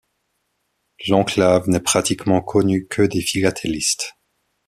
L'enclave n'est pratiquement connue que des philatélistes.